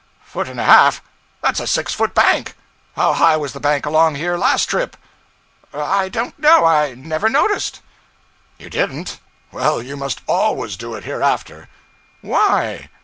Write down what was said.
'Foot and a half! That's a six foot bank. How high was the bank along here last trip?' 'I don't know; I never noticed.' 'You didn't? Well, you must always do it hereafter.' 'Why?'